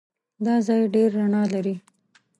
دا ځای ډېر رڼا لري.